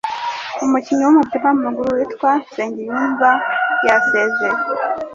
Umukinnyi w’umupira w’amaguru witwa nsengiyumva yasezeye